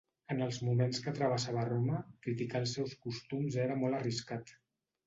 En els moments que travessava Roma, criticar els seus costums era molt arriscat.